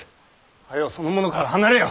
早うその者から離れよ！